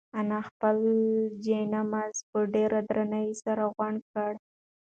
انا خپل جاینماز په ډېر درناوي سره غونډ کړ.